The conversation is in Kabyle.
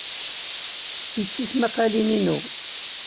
Ti d tismaqqalin-inu.